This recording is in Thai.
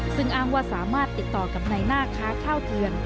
ซึ่งอ้างว่าสามารถติดต่อกับในหน้าค้าข้าวเถื่อน